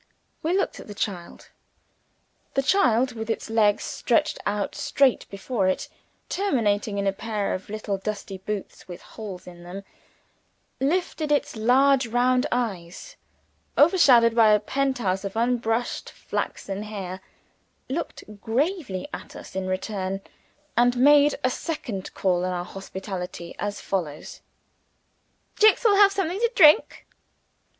We looked at the child. The child with its legs stretched out straight before it, terminating in a pair of little dusty boots with holes in them lifted its large round eyes, overshadowed by a penthouse of unbrushed flaxen hair; looked gravely at us in return; and made a second call on our hospitality, as follows: "Jicks will have something to drink."